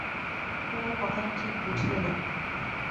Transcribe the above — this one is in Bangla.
কুমু কথাটা ঠিক বুঝলে না।